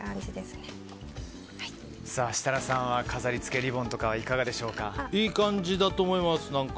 設楽さんは飾りつけ、リボンとかはいい感じだと思います。